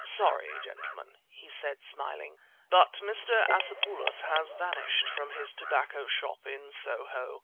"Sorry, gentlemen," he said, smiling, "but Mr. Acepulos has vanished from his tobacco shop in Soho.